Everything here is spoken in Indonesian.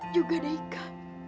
juga deh ika